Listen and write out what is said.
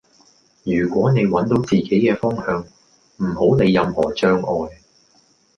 如果你搵到自己嘅方向,唔好理任何障礙